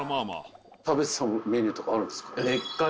食べてたメニューとかあるんですか？